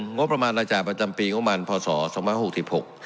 ๑งบประมาณรายจ่ายประจำปีงบประมาณพศ๒๐๖๖